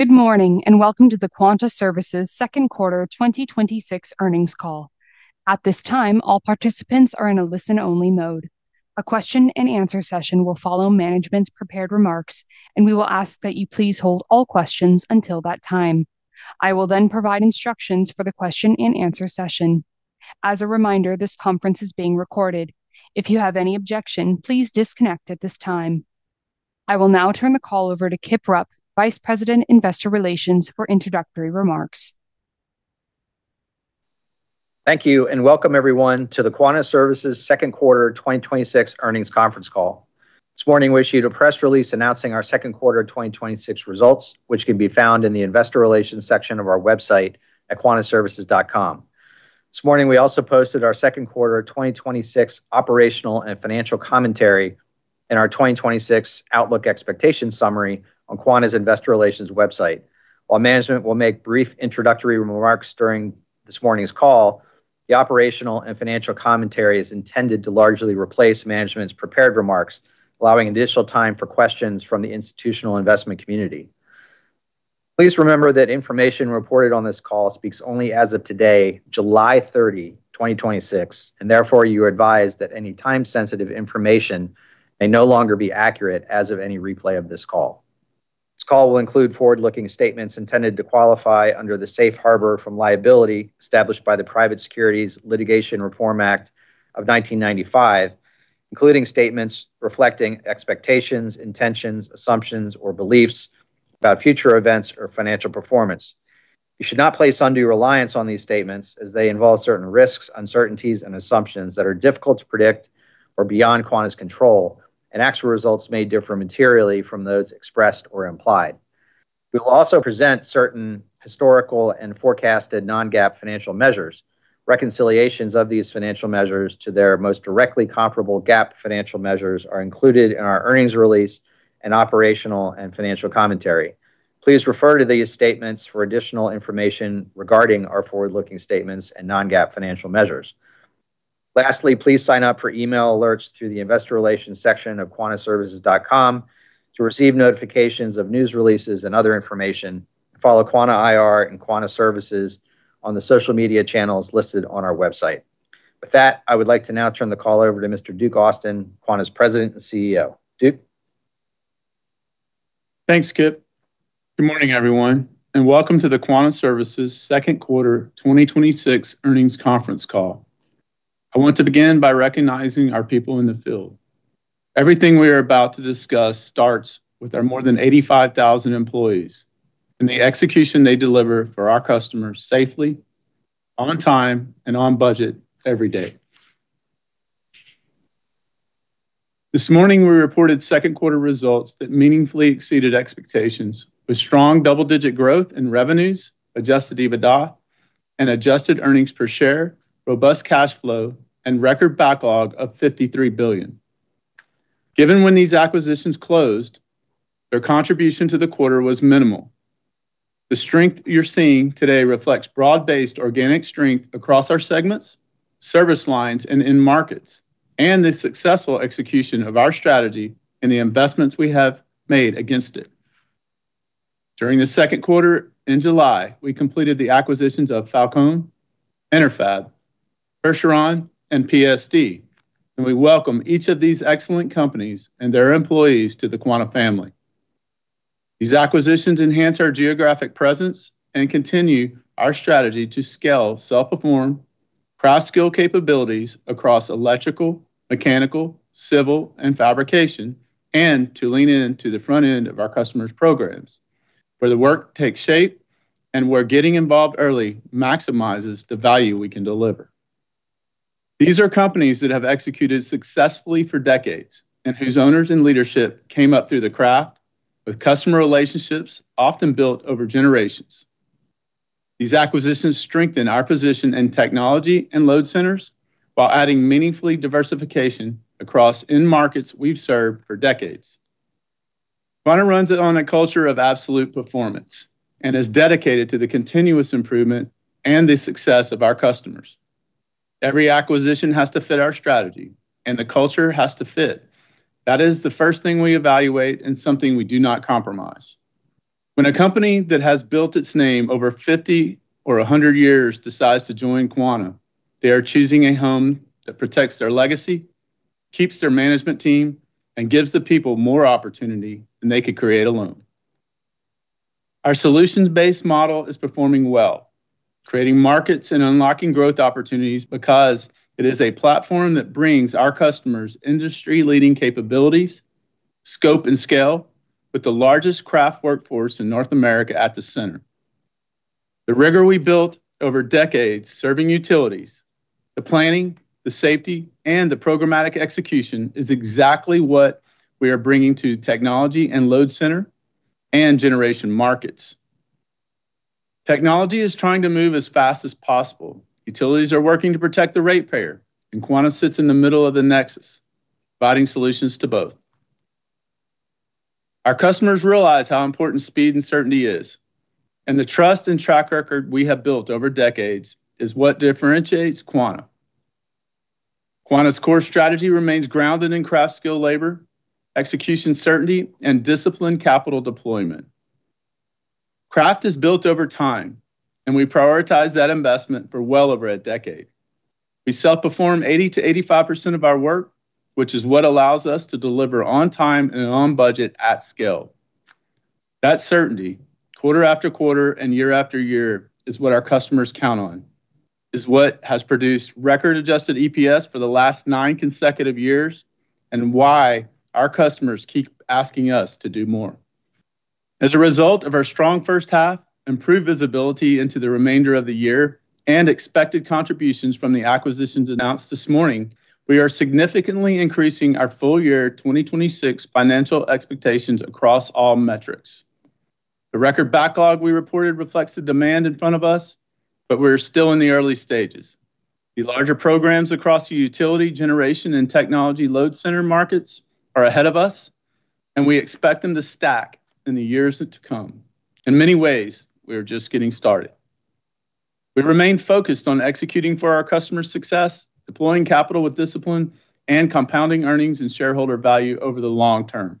Good morning, welcome to the Quanta Services second quarter 2026 earnings call. At this time, all participants are in a listen-only mode. A question and answer session will follow management's prepared remarks, we will ask that you please hold all questions until that time. I will then provide instructions for the question and answer session. As a reminder, this conference is being recorded. If you have any objection, please disconnect at this time. I will now turn the call over to Kip Rupp, Vice President, Investor Relations, for introductory remarks. Thank you, welcome everyone to the Quanta Services second quarter 2026 earnings conference call. This morning, we issued a press release announcing our second quarter 2026 results, which can be found in the investor relations section of our website at quantaservices.com. This morning, we also posted our second quarter 2026 operational and financial commentary and our 2026 outlook expectation summary on Quanta's investor relations website. While management will make brief introductory remarks during this morning's call, the operational and financial commentary is intended to largely replace management's prepared remarks, allowing additional time for questions from the institutional investment community. Please remember that information reported on this call speaks only as of today, July 30, 2026, therefore you are advised that any time-sensitive information may no longer be accurate as of any replay of this call. This call will include forward-looking statements intended to qualify under the safe harbor from liability established by the Private Securities Litigation Reform Act of 1995, including statements reflecting expectations, intentions, assumptions, or beliefs about future events or financial performance. You should not place undue reliance on these statements as they involve certain risks, uncertainties, and assumptions that are difficult to predict or beyond Quanta's control, actual results may differ materially from those expressed or implied. We will also present certain historical and forecasted non-GAAP financial measures. Reconciliations of these financial measures to their most directly comparable GAAP financial measures are included in our earnings release and operational and financial commentary. Please refer to these statements for additional information regarding our forward-looking statements and non-GAAP financial measures. Lastly, please sign up for email alerts through the investor relations section of quantaservices.com to receive notifications of news releases and other information. Follow Quanta IR and Quanta Services on the social media channels listed on our website. With that, I would like to now turn the call over to Mr. Duke Austin, Quanta's President and CEO. Duke? Thanks, Kip. Good morning, everyone, and welcome to the Quanta Services second quarter 2026 earnings conference call. I want to begin by recognizing our people in the field. Everything we are about to discuss starts with our more than 85,000 employees and the execution they deliver for our customers safely, on time, and on budget every day. This morning, we reported second quarter results that meaningfully exceeded expectations with strong double-digit growth in revenues, adjusted EBITDA and adjusted earnings per share, robust cash flow, and record backlog of $53 billion. Given when these acquisitions closed, their contribution to the quarter was minimal. The strength you're seeing today reflects broad-based organic strength across our segments, service lines, and end markets, and the successful execution of our strategy and the investments we have made against it. During the second quarter in July, we completed the acquisitions of Phalcon, Enerfab, Percheron, and PSD, and we welcome each of these excellent companies and their employees to the Quanta family. These acquisitions enhance our geographic presence and continue our strategy to scale self-perform, craft skill capabilities across electrical, mechanical, civil, and fabrication, and to lean into the front end of our customers' programs, where the work takes shape and where getting involved early maximizes the value we can deliver. These are companies that have executed successfully for decades and whose owners and leadership came up through the craft with customer relationships often built over generations. These acquisitions strengthen our position in technology and load centers while adding meaningful diversification across end markets we've served for decades. Quanta runs it on a culture of absolute performance and is dedicated to the continuous improvement and the success of our customers. Every acquisition has to fit our strategy, and the culture has to fit. That is the first thing we evaluate and something we do not compromise. When a company that has built its name over 50 or 100 years decides to join Quanta, they are choosing a home that protects their legacy, keeps their management team, and gives the people more opportunity than they could create alone. Our solutions-based model is performing well, creating markets and unlocking growth opportunities because it is a platform that brings our customers industry-leading capabilities, scope, and scale with the largest craft workforce in North America at the center. The rigor we built over decades serving utilities, the planning, the safety, and the programmatic execution is exactly what we are bringing to technology and load center and generation markets. Technology is trying to move as fast as possible. Utilities are working to protect the ratepayer, and Quanta sits in the middle of the nexus, providing solutions to both. Our customers realize how important speed and certainty is, and the trust and track record we have built over decades is what differentiates Quanta. Quanta's core strategy remains grounded in craft skill labor, execution certainty, and disciplined capital deployment. Craft is built over time, and we prioritize that investment for well over a decade. We self-perform 80%-85% of our work, which is what allows us to deliver on time and on budget at scale. That certainty, quarter after quarter and year after year, is what our customers count on, is what has produced record adjusted EPS for the last nine consecutive years, and why our customers keep asking us to do more. As a result of our strong first half, improved visibility into the remainder of the year, and expected contributions from the acquisitions announced this morning, we are significantly increasing our full year 2026 financial expectations across all metrics. The record backlog we reported reflects the demand in front of us, but we're still in the early stages. The larger programs across the utility generation and technology load center markets are ahead of us, and we expect them to stack in the years to come. In many ways, we are just getting started. We remain focused on executing for our customers' success, deploying capital with discipline, and compounding earnings and shareholder value over the long term.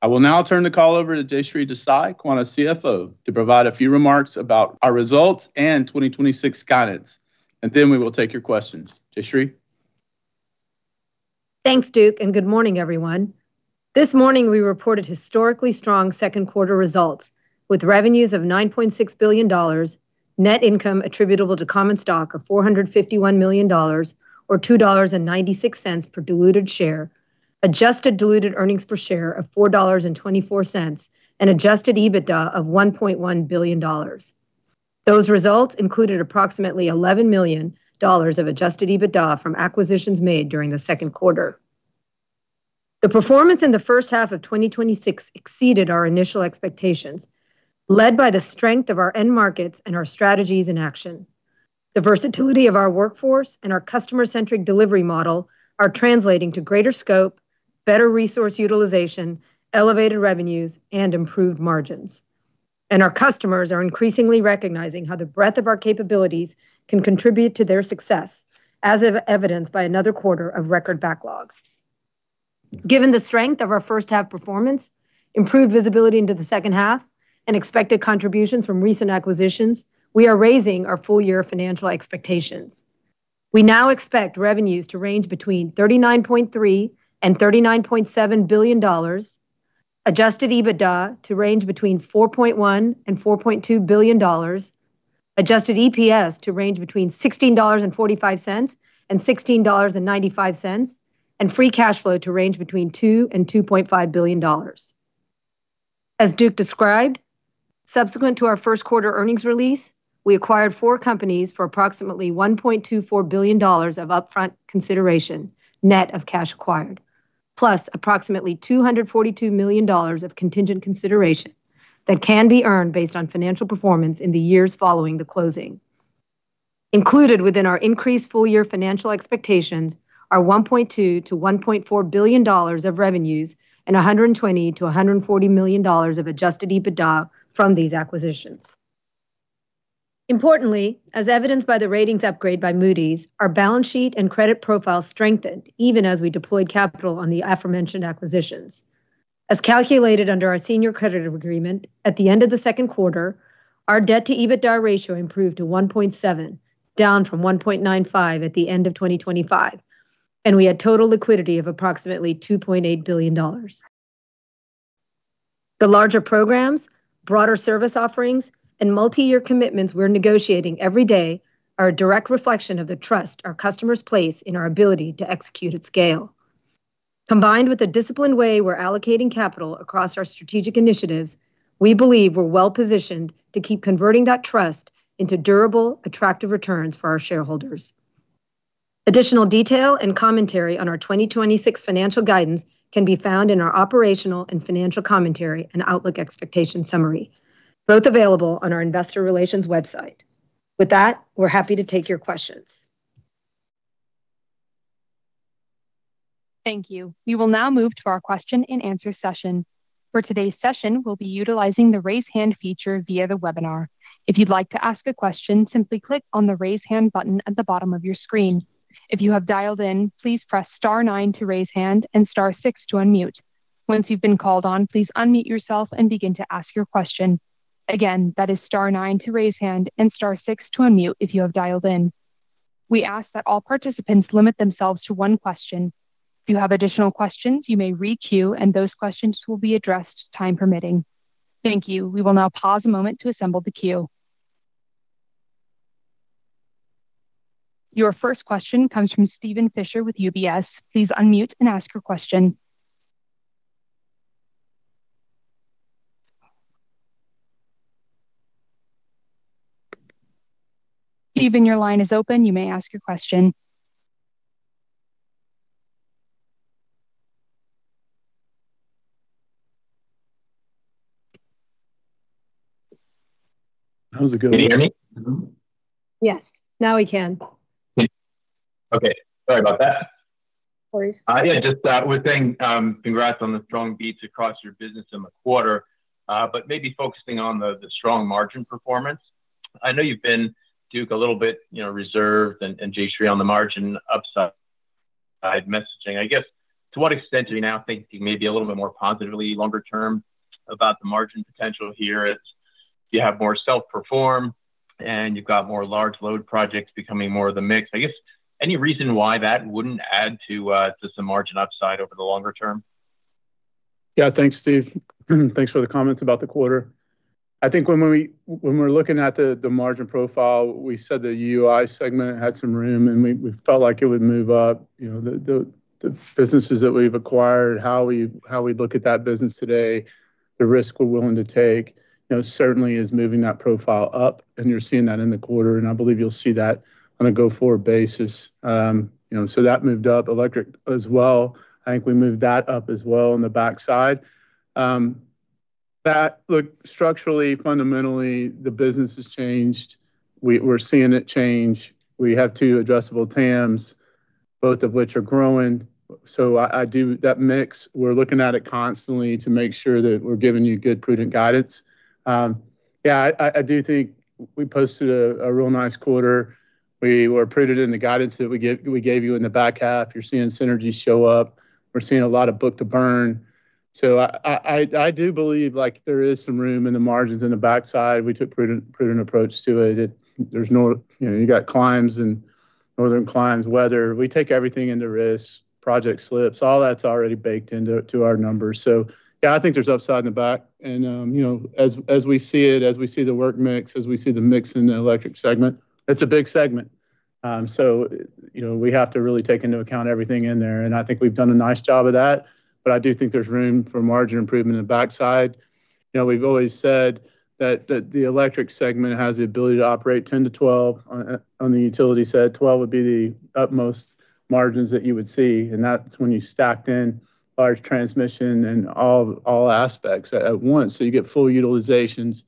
I will now turn the call over to Jayshree Desai, Quanta CFO, to provide a few remarks about our results and 2026 guidance, and then we will take your questions. Jayshree? Thanks, Duke, good morning, everyone. This morning, we reported historically strong second quarter results with revenues of $9.6 billion, net income attributable to common stock of $451 million, or $2.96 per diluted share, adjusted diluted earnings per share of $4.24, and adjusted EBITDA of $1.1 billion. Those results included approximately $11 million of adjusted EBITDA from acquisitions made during the second quarter. The performance in the first half of 2026 exceeded our initial expectations, led by the strength of our end markets and our strategies in action. The versatility of our workforce and our customer-centric delivery model are translating to greater scope, better resource utilization, elevated revenues, and improved margins. Our customers are increasingly recognizing how the breadth of our capabilities can contribute to their success, as evidenced by another quarter of record backlog. Given the strength of our first half performance, improved visibility into the second half, and expected contributions from recent acquisitions, we are raising our full year financial expectations. We now expect revenues to range between $39.3 billion-$39.7 billion, adjusted EBITDA to range between $4.1 billion-$4.2 billion, adjusted EPS to range between $16.45-$16.95, and free cash flow to range between $2 billion-$2.5 billion. As Duke described, subsequent to our first quarter earnings release, we acquired four companies for approximately $1.24 billion of upfront consideration, net of cash acquired, plus approximately $242 million of contingent consideration that can be earned based on financial performance in the years following the closing. Included within our increased full year financial expectations are $1.2 billion-$1.4 billion of revenues and $120 million-$140 million of adjusted EBITDA from these acquisitions. Importantly, as evidenced by the ratings upgrade by Moody's, our balance sheet and credit profile strengthened even as we deployed capital on the aforementioned acquisitions. As calculated under our senior credit agreement at the end of the second quarter, our debt to EBITDA ratio improved to 1.7, down from 1.95 at the end of 2025, and we had total liquidity of approximately $2.8 billion. The larger programs, broader service offerings, and multi-year commitments we're negotiating every day are a direct reflection of the trust our customers place in our ability to execute at scale. Combined with the disciplined way we're allocating capital across our strategic initiatives, we believe we're well-positioned to keep converting that trust into durable, attractive returns for our shareholders. Additional detail and commentary on our 2026 financial guidance can be found in our operational and financial commentary and outlook expectation summary, both available on our investor relations website. With that, we're happy to take your questions. Thank you. We will now move to our question and answer session. For today's session, we'll be utilizing the raise hand feature via the webinar. If you'd like to ask a question, simply click on the raise hand button at the bottom of your screen. If you have dialed in, please press star nine to raise hand and star six to unmute. Once you've been called on, please unmute yourself and begin to ask your question. Again, that is star nine to raise hand and star six to unmute if you have dialed in. We ask that all participants limit themselves to one question. If you have additional questions, you may re-queue, and those questions will be addressed, time permitting. Thank you. We will now pause a moment to assemble the queue. Your first question comes from Steven Fisher with UBS. Please unmute and ask your question. Steven, your line is open. You may ask your question. That was a good one. Can you hear me? Yes. Now we can. Okay. Sorry about that. Please. Yeah, just would say congrats on the strong beats across your business in the quarter. Maybe focusing on the strong margin performance. I know you've been, Duke, a little bit reserved, and Jayshree on the margin upside messaging. I guess, to what extent are you now thinking maybe a little bit more positively longer term about the margin potential here as you have more self-perform, and you've got more large load projects becoming more of the mix? I guess, any reason why that wouldn't add to some margin upside over the longer term? Yeah. Thanks, Steven. Thanks for the comments about the quarter. I think when we're looking at the margin profile, we said the UI segment had some room, and we felt like it would move up. The businesses that we've acquired, how we look at that business today, the risk we're willing to take, certainly is moving that profile up, and you're seeing that in the quarter. I believe you'll see that on a go-forward basis. That moved up. Electric as well. I think we moved that up as well on the backside. Look, structurally, fundamentally, the business has changed. We're seeing it change. We have two addressable TAMs, both of which are growing. That mix, we're looking at it constantly to make sure that we're giving you good, prudent guidance. I do think we posted a real nice quarter. We were prudent in the guidance that we gave you in the back half. You're seeing synergies show up. We're seeing a lot of book-to-burn. I do believe there is some room in the margins in the backside. We took a prudent approach to it. You got northern climes weather. We take everything into risk. Project slips, all that's already baked into our numbers. Yeah, I think there's upside in the back. As we see it, as we see the work mix, as we see the mix in the electric segment, it's a big segment. We have to really take into account everything in there, and I think we've done a nice job of that, but I do think there's room for margin improvement in the backside. We've always said that the electric segment has the ability to operate 10 to 12 on the utility side. 12 would be the utmost margins that you would see, and that's when you stacked in large transmission and all aspects at once. You get full utilizations.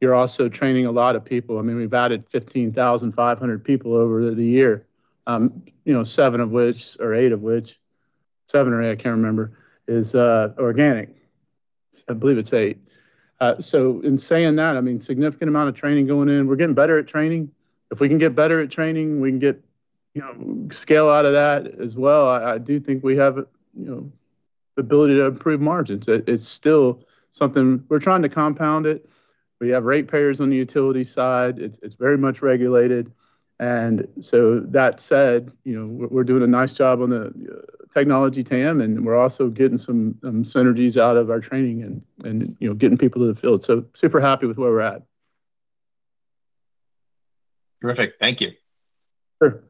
You're also training a lot of people. We've added 15,500 people over the year, seven or eight of which, I can't remember, is organic. I believe it's eight. In saying that, significant amount of training going in. We're getting better at training. If we can get better at training, we can get scale out of that as well. I do think we have the ability to improve margins. We're trying to compound it. We have ratepayers on the utility side. It's very much regulated. That said, we're doing a nice job on the technology TAM, and we're also getting some synergies out of our training and getting people in the field. Super happy with where we're at. Terrific. Thank you. Sure.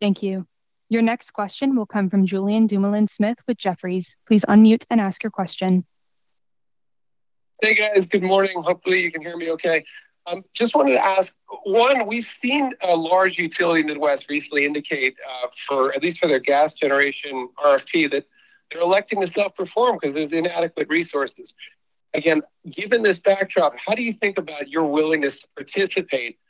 Thank you. Your next question will come from Julien Dumoulin-Smith with Jefferies. Please unmute and ask your question. Hey, guys. Good morning. Hopefully, you can hear me okay. Just wanted to ask, one, we've seen a large utility in the West recently indicate, at least for their gas generation RFP, that they're electing to self-perform because of inadequate resources. Again, given this backdrop, what do you think about your willingness to participate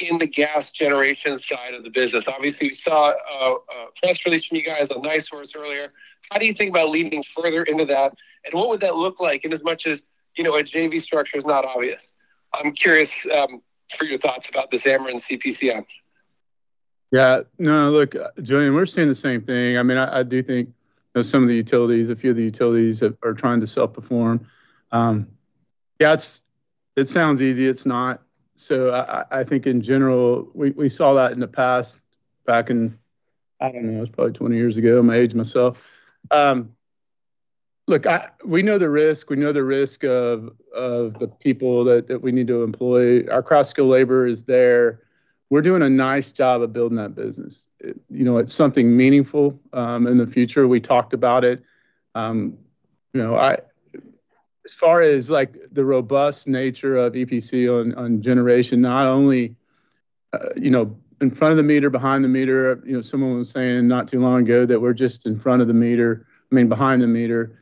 in the gas generation side of the business? Obviously, we saw a press release from you guys on Charlie 1 Horse earlier. What do you think about leaning further into that, and what would that look like inasmuch as a JV structure is not obvious. I'm curious for your thoughts about the [Zamarin CPCM. Yeah. No, look, Julien, we're seeing the same thing. I do think a few of the utilities are trying to self-perform. It sounds easy. It's not. I think in general, we saw that in the past back in, I don't know, it was probably 20 years ago. I'm age myself. Look, we know the risk. We know the risk of the people that we need to employ. Our crafts skill labor is there. We're doing a nice job of building that business. It's something meaningful in the future. We talked about it. As far as the robust nature of EPC on generation, not only in front of the meter, behind the meter, someone was saying not too long ago that we're just behind the meter.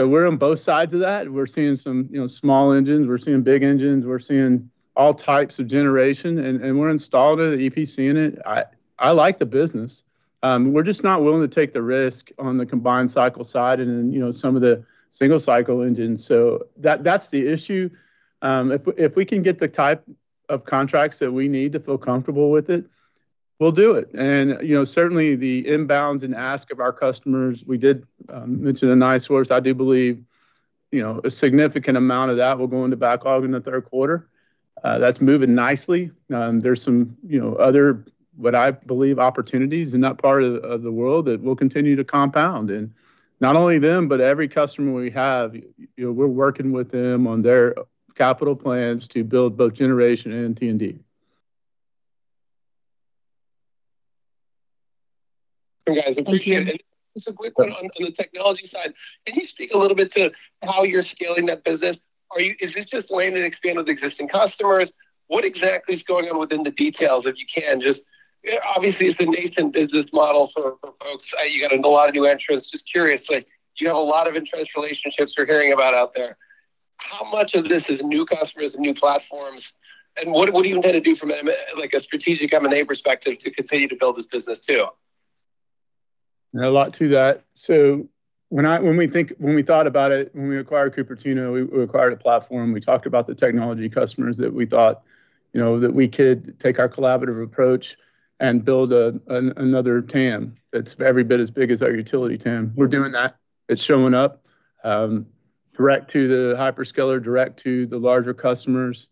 We're on both sides of that. We're seeing some small engines. We're seeing big engines. We're seeing all types of generation, and we're installed at EPC in it. I like the business. We're just not willing to take the risk on the combined cycle side and in some of the single-cycle engines. That's the issue. If we can get the type of contracts that we need to feel comfortable with it, we'll do it. Certainly the inbounds and ask of our customers, we did mention the Charlie 1 Horse. I do believe a significant amount of that will go into backlog in the third quarter. That's moving nicely. There's some other, what I believe, opportunities in that part of the world that we'll continue to compound. Not only them, but every customer we have, we're working with them on their capital plans to build both generation and T&D. Thanks, guys, appreciate it. Just a quick one on the technology side. Can you speak a little bit to how you're scaling that business? Is this just way to expand with existing customers? What exactly is going on within the details? Obviously, it's a nascent business model for folks. You got a lot of new entrants. Just curious, do you have a lot of interest relationships we're hearing about out there? How much of this is new customers and new platforms, and what are you going to do from a strategic M&A perspective to continue to build this business too? A lot to that. When we thought about it, when we acquired Cupertino, we acquired a platform. We talked about the technology customers that we thought that we could take our collaborative approach and build another TAM that's every bit as big as our utility TAM. We're doing that. It's showing up, direct to the hyperscaler, direct to the larger customers,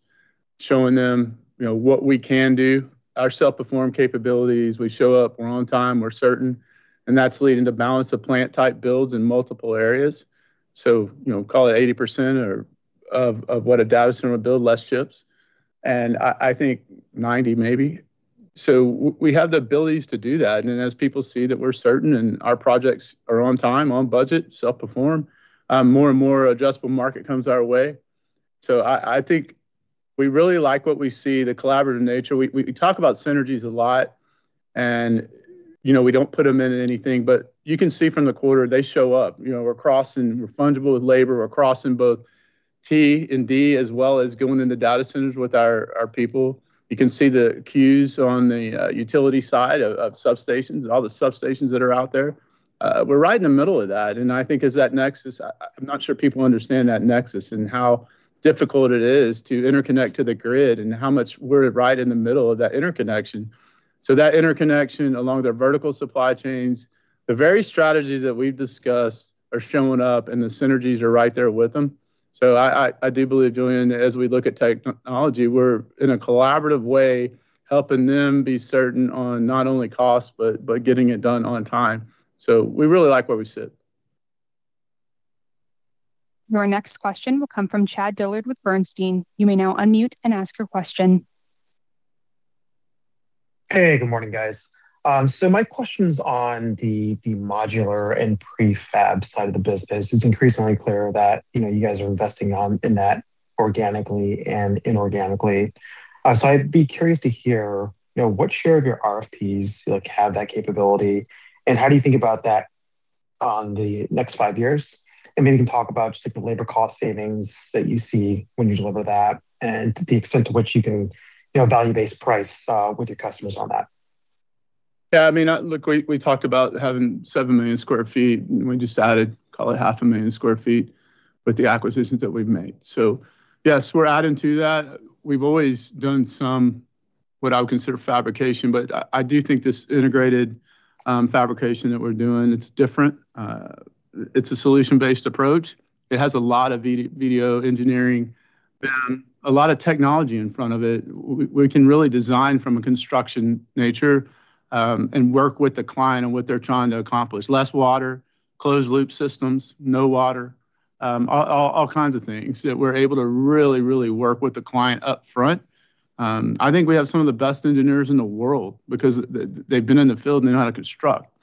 showing them what we can do. Our self-perform capabilities, we show up, we're on time, we're certain, and that's leading to balance of plant-type builds in multiple areas. Call it 80% of what a data center would build, less chips. I think 90%, maybe. We have the abilities to do that, and then as people see that we're certain and our projects are on time, on budget, self-perform, more and more adjustable market comes our way. I think we really like what we see, the collaborative nature. We talk about synergies a lot and we don't put them in anything. You can see from the quarter, they show up. We're fungible with labor. We're crossing both T&D, as well as going into data centers with our people. You can see the queues on the utility side of substations and all the substations that are out there. We're right in the middle of that, and I think as that nexus, I'm not sure people understand that nexus and how difficult it is to interconnect to the grid and how much we're right in the middle of that interconnection. That interconnection along their vertical supply chains, the very strategies that we've discussed are showing up, and the synergies are right there with them. I do believe, Julien, as we look at technology, we're in a collaborative way, helping them be certain on not only cost, but getting it done on time. We really like where we sit. Your next question will come from Chad Dillard with Bernstein. You may now unmute and ask your question. Hey, good morning, guys. My question's on the modular and prefab side of the business. It's increasingly clear that you guys are investing in that organically and inorganically. I'd be curious to hear what share of your RFPs have that capability, and how do you think about that on the next five years? Maybe you can talk about just the labor cost savings that you see when you deliver that and the extent to which you can value base price with your customers on that. Yeah, look, we talked about having seven million square feet. We just added, call it half a million square feet with the acquisitions that we've made. Yes, we're adding to that. We've always done some, what I would consider fabrication, but I do think this integrated fabrication that we're doing, it's different. It's a solution-based approach. It has a lot of VDO engineering, a lot of technology in front of it. We can really design from a construction nature, and work with the client on what they're trying to accomplish. Less water, closed loop systems, no water. All kinds of things that we're able to really work with the client up front. I think we have some of the best engineers in the world because they've been in the field and they know how to construct.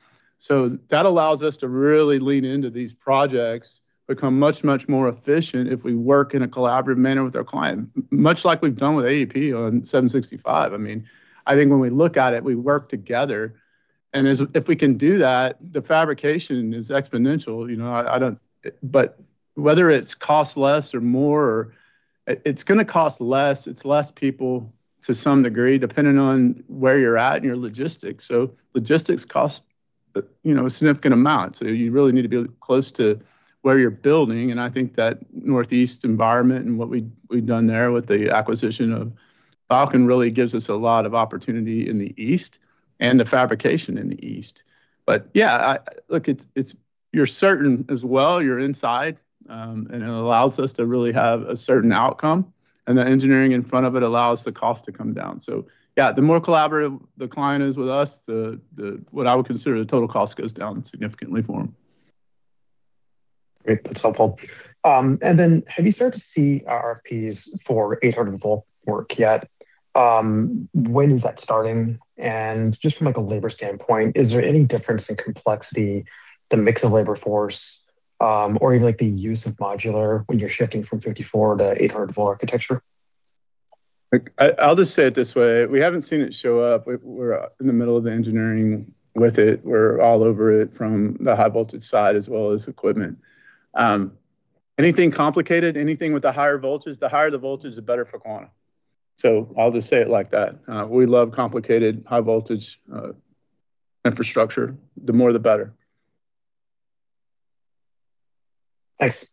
That allows us to really lean into these projects, become much more efficient if we work in a collaborative manner with our client. Much like we've done with AEP on 765. I think when we look at it, we work together, and if we can do that, the fabrication is exponential. Whether it costs less or more, it's going to cost less. It's less people to some degree, depending on where you're at in your logistics. Logistics costs a significant amount. You really need to be close to where you're building, and I think that Northeast environment and what we've done there with the acquisition of Phalcon really gives us a lot of opportunity in the East and the fabrication in the East. Yeah, look, you're certain as well. You're inside. It allows us to really have a certain outcome, and the engineering in front of it allows the cost to come down. Yeah, the more collaborative the client is with us, what I would consider the total cost goes down significantly for them. Great. That's helpful. Have you started to see RFPs for 800 VDC work yet? When is that starting? Just from, like, a labor standpoint, is there any difference in complexity, the mix of labor force, or even the use of modular when you're shifting from 480 to 800 VDC architecture? I'll just say it this way. We haven't seen it show up. We're in the middle of engineering with it. We're all over it from the high voltage side as well as equipment. Anything complicated, anything with a higher voltage, the higher the voltage, the better for Quanta. I'll just say it like that. We love complicated high voltage infrastructure. The more, the better. Thanks.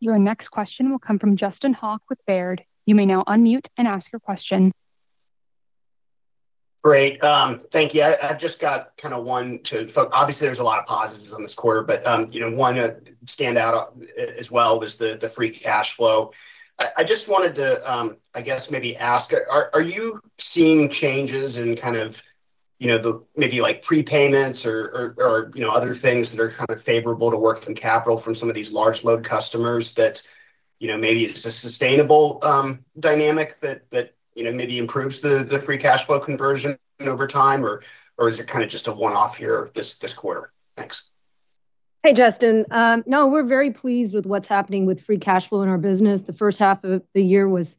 Your next question will come from Justin Hauke with Baird. You may now unmute and ask your question. Great. Thank you. I've just got kind of one. Obviously, there's a lot of positives on this quarter, one standout as well was the free cash flow. I just wanted to, I guess maybe ask, are you seeing changes in kind of maybe like prepayments or other things that are kind of favorable to working capital from some of these large load customers that maybe it's a sustainable dynamic that maybe improves the free cash flow conversion over time, or is it kind of just a one-off here this quarter? Thanks. Hey, Justin. We're very pleased with what's happening with free cash flow in our business. The first half of the year was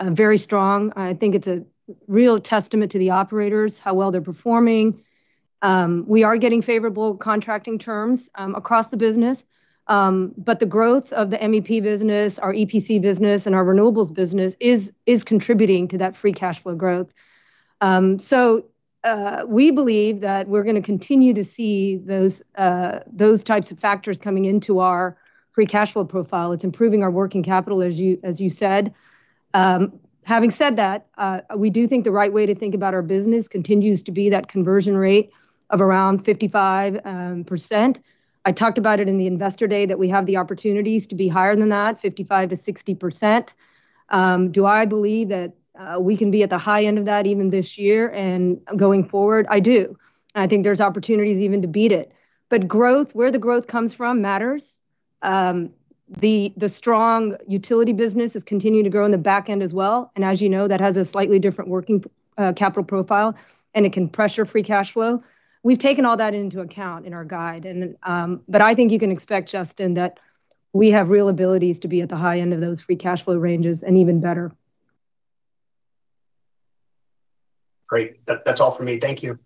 Very strong. I think it's a real testament to the operators, how well they're performing. We are getting favorable contracting terms across the business. The growth of the MEP business, our EPC business, and our renewables business is contributing to that free cash flow growth. We believe that we're going to continue to see those types of factors coming into our free cash flow profile. It's improving our working capital, as you said. Having said that, we do think the right way to think about our business continues to be that conversion rate of around 55%. I talked about it in the investor day, that we have the opportunities to be higher than that, 55%-60%. Do I believe that we can be at the high end of that even this year and going forward? I do. I think there's opportunities even to beat it. Where the growth comes from matters. The strong utility business is continuing to grow in the back end as well. As you know, that has a slightly different working capital profile, and it can pressure free cash flow. We've taken all that into account in our guide. I think you can expect, Justin, that we have real abilities to be at the high end of those free cash flow ranges and even better. Great. That's all for me. Thank you.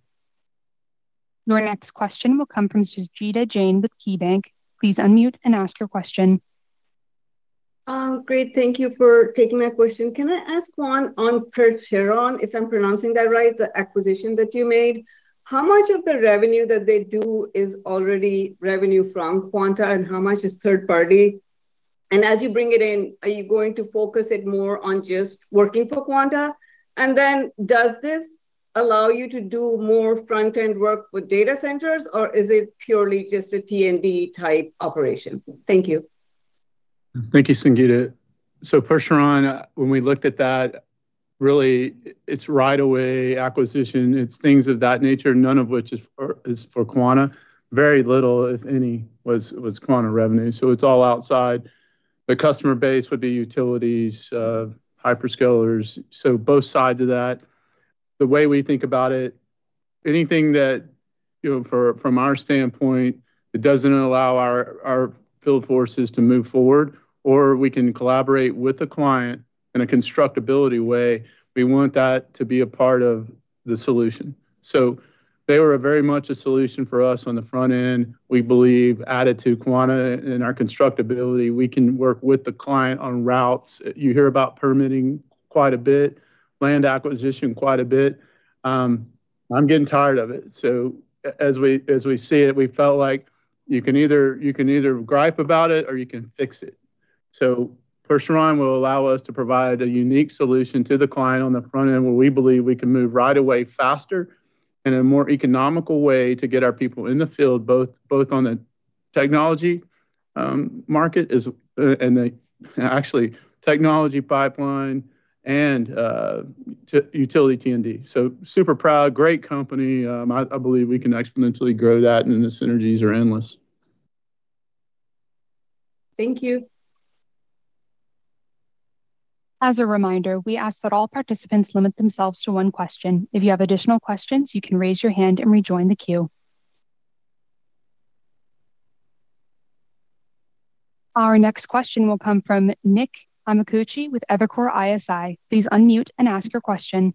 Your next question will come from Sangita Jain with KeyBanc. Please unmute and ask your question. Great. Thank you for taking my question. Can I ask one on Percheron, if I'm pronouncing that right, the acquisition that you made. How much of the revenue that they do is already revenue from Quanta, and how much is third party? As you bring it in, are you going to focus it more on just working for Quanta? Does this allow you to do more front-end work with data centers, or is it purely just a T&D type operation? Thank you. Thank you, Sangita. Percheron, when we looked at that, really it's right away acquisition, it's things of that nature, none of which is for Quanta. Very little, if any, was Quanta revenue. It's all outside. The customer base would be utilities, hyperscalers, both sides of that. The way we think about it, anything that from our standpoint that doesn't allow our field forces to move forward, or we can collaborate with a client in a constructability way, we want that to be a part of the solution. They were very much a solution for us on the front end. We believe added to Quanta and our constructability, we can work with the client on routes. You hear about permitting quite a bit, land acquisition quite a bit. I'm getting tired of it. As we see it, we felt like you can either gripe about it, or you can fix it. Percheron will allow us to provide a unique solution to the client on the front end, where we believe we can move right away faster in a more economical way to get our people in the field, both on the technology market, and actually technology pipeline and utility T&D. Super proud, great company. I believe we can exponentially grow that, and the synergies are endless. Thank you. As a reminder, we ask that all participants limit themselves to one question. If you have additional questions, you can raise your hand and rejoin the queue. Our next question will come from Nick Amicucci with Evercore ISI. Please unmute and ask your question.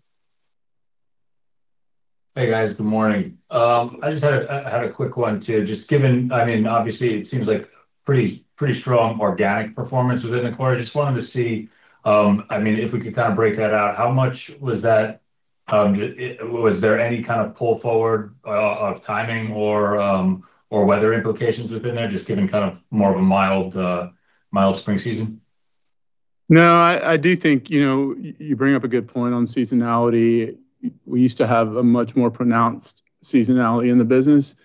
Hey, guys. Good morning. I just had a quick one too. Obviously, it seems like pretty strong organic performance within the quarter. Just wanted to see if we could kind of break that out, how much was that? Was there any kind of pull forward of timing or weather implications within there, just given kind of more of a mild spring season? No, I do think you bring up a good point on seasonality. We used to have a much more pronounced seasonality in the business.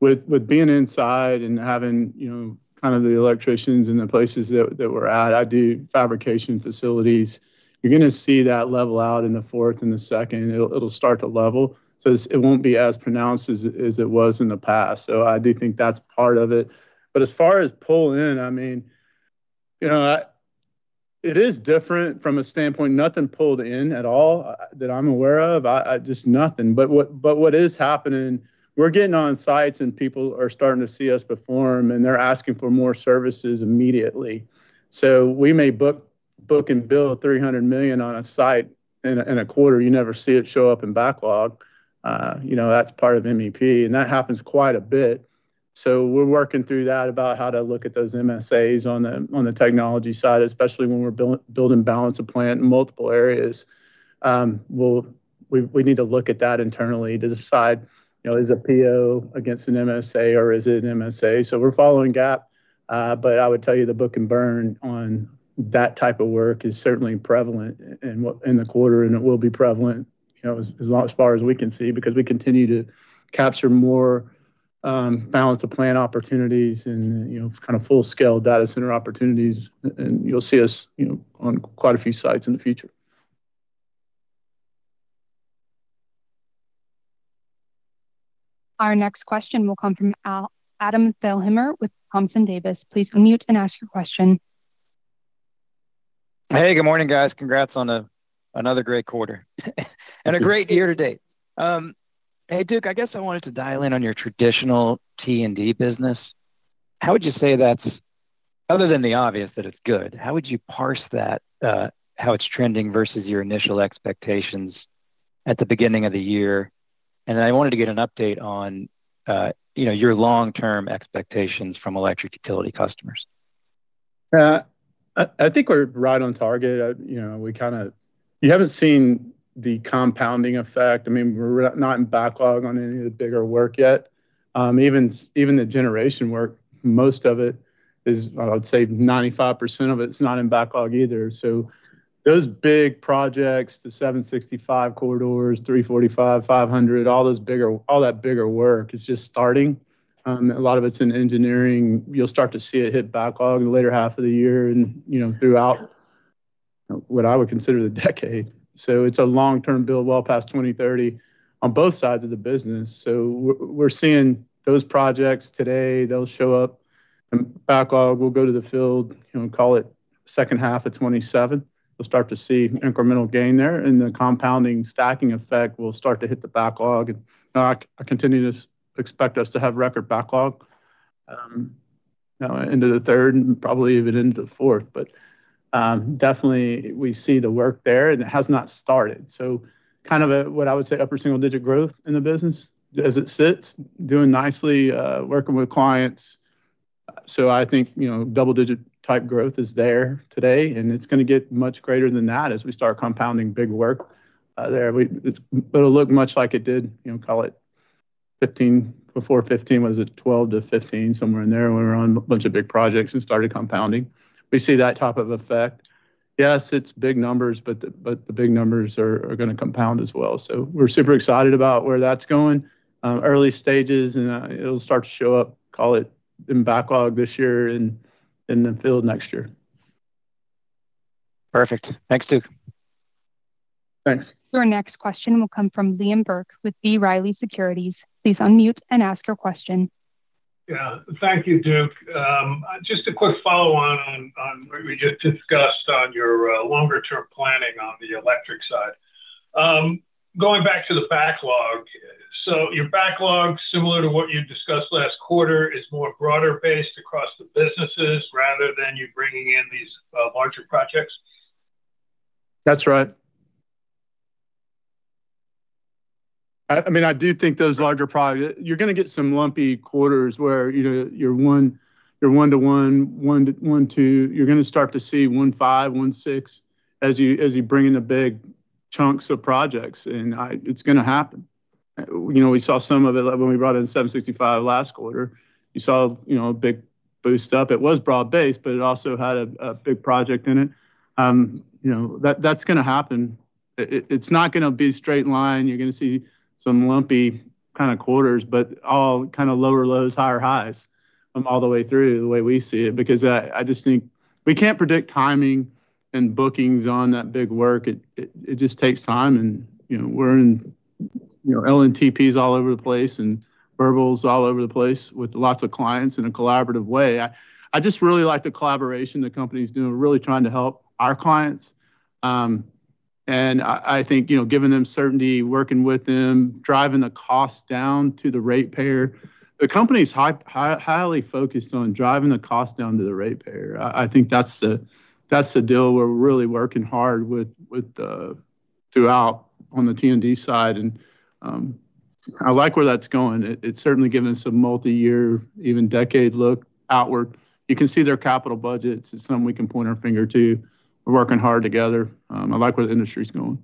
With being inside and having the electricians in the places that we're at, I do fabrication facilities. You're going to see that level out in the fourth and the second. It'll start to level. It won't be as pronounced as it was in the past. I do think that's part of it. As far as pull in, it is different from a standpoint. Nothing pulled in at all that I'm aware of. Just nothing. What is happening, we're getting on sites, and people are starting to see us perform, and they're asking for more services immediately. We may book and bill $300 million on a site in a quarter. You never see it show up in backlog. That's part of MEP, and that happens quite a bit. We're working through that about how to look at those MSAs on the technology side, especially when we're building balance of plant in multiple areas. We need to look at that internally to decide, is a PO against an MSA or is it an MSA? We're following GAAP. I would tell you the book and burn on that type of work is certainly prevalent in the quarter, and it will be prevalent as far as we can see, because we continue to capture more balance of plant opportunities and kind of full-scale data center opportunities. You'll see us on quite a few sites in the future. Our next question will come from Adam Thalhimer with Thompson Davis. Please unmute and ask your question. Hey, good morning, guys. Congrats on another great quarter and a great year to date. Hey, Duke, I guess I wanted to dial in on your traditional T&D business. How would you say that's, other than the obvious, that it's good, how would you parse how it's trending versus your initial expectations at the beginning of the year? I wanted to get an update on your long-term expectations from electric utility customers. I think we're right on target. You haven't seen the compounding effect. We're not in backlog on any of the bigger work yet. Even the generation work, most of it is, I would say 95% of it's not in backlog either. Those big projects, the 765 corridors, 345, 500, all that bigger work is just starting. A lot of it's in engineering. You'll start to see it hit backlog in the later half of the year and throughout what I would consider the decade. It's a long-term build, well past 2030 on both sides of the business. We're seeing those projects today. They'll show up in backlog. We'll go to the field, call it second half of 2027. We'll start to see incremental gain there, and the compounding, stacking effect will start to hit the backlog. I continue to expect us to have record backlog into the third and probably even into the fourth. Definitely we see the work there, and it has not started. Kind of what I would say upper single-digit growth in the business as it sits, doing nicely, working with clients. I think double-digit type growth is there today, and it's going to get much greater than that as we start compounding big work there. It'll look much like it did, call it before 2015. Was it 2012 to 2015? Somewhere in there when we were on a bunch of big projects and started compounding. We see that type of effect. Yes, it's big numbers, but the big numbers are going to compound as well. We're super excited about where that's going. Early stages and it'll start to show up, call it in backlog this year and in the field next year. Perfect. Thanks, Duke. Thanks. Your next question will come from Liam Burke with B. Riley Securities. Please unmute and ask your question. Yeah. Thank you, Duke. Just a quick follow-on on what we just discussed on your longer-term planning on the electric side. Going back to the backlog, your backlog, similar to what you discussed last quarter, is more broader based across the businesses rather than you bringing in these larger projects? That's right. I do think those larger projects, you're going to get some lumpy quarters where your one to one to two, you're going to start to see one five, one six as you bring in the big chunks of projects, it's going to happen. We saw some of it when we brought in 765 last quarter. You saw a big boost up. It was broad based, it also had a big project in it. That's going to happen. It's not going to be a straight line. You're going to see some lumpy kind of quarters, all kind of lower lows, higher highs all the way through the way we see it, because I just think we can't predict timing and bookings on that big work. It just takes time, we're in LNTPs all over the place and verbals all over the place with lots of clients in a collaborative way. I just really like the collaboration the company's doing, really trying to help our clients. I think giving them certainty, working with them, driving the cost down to the ratepayer. The company's highly focused on driving the cost down to the ratepayer. I think that's the deal we're really working hard with throughout on the T&D side, I like where that's going. It's certainly given some multi-year, even decade look outward. You can see their capital budgets. It's something we can point our finger to. We're working hard together. I like where the industry's going.